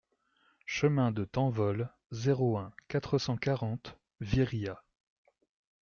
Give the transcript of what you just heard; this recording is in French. Chemin de Tanvol, zéro un, quatre cent quarante Viriat